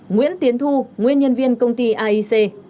nguyễn tiến thu nguyên nhân viên công ty aic